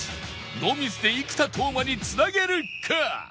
ノーミスで生田斗真に繋げるか？